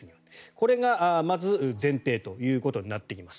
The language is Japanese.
これがまず前提ということになっています。